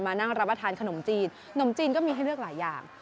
นั่งรับประทานขนมจีนขนมจีนก็มีให้เลือกหลายอย่าง